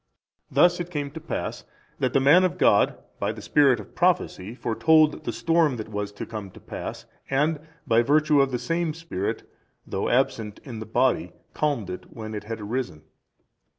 Thus it came to pass that the man of God, by the spirit of prophecy, foretold the storm that was to come to pass, and by virtue of the same spirit, though absent in the body, calmed it when it had arisen.